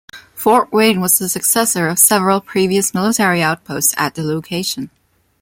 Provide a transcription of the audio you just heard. Fort Wayne was the successor of several previous military outposts at the location.